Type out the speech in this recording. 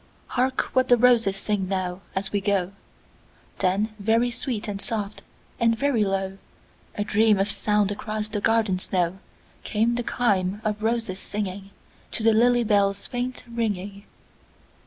"Hark what the roses sing now, as we go;"Then very sweet and soft, and very low,—A dream of sound across the garden snow,—Came the chime of roses singingTo the lily bell's faint ringing.